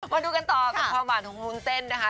มาดูกันต่อกับความหวานของวุ้นเต้นนะคะ